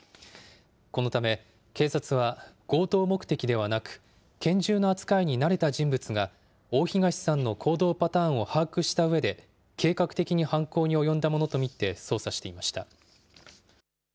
このため、警察は強盗目的ではなく、拳銃の扱いに慣れた人物が、大東さんの行動パターンを把握したうえで、計画的に犯行に及んだものと見て、捜査していました。